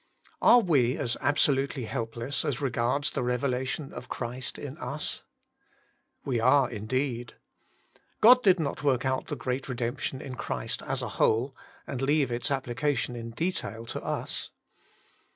Are we as ibsolutely helpless as regards the revelation of Christ in us ? \^e are indeed. God did not work out the great redemption in Christ as a whole, and leave its application in detail to us.